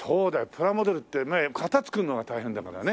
プラモデルってね型作るのが大変だからね。